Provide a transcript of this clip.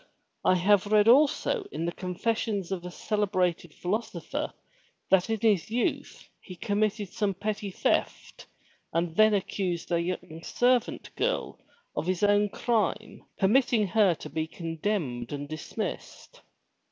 "I have read also in the confessions of a celebrated philosopher that in his youth he com mitted some petty theft and then accused a young servant girl of his own crime, permitting her to be condemned and dismissed."